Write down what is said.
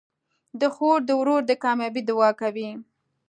خور د ورور د کامیابۍ دعا کوي.